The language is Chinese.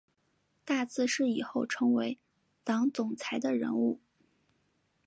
大字是以后成为党总裁的人物